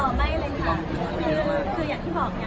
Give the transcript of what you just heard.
ทำให้เรามีออกมาเยอะคิดว่ามันก็ดี